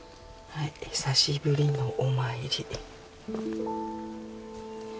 はい久しぶりのお参り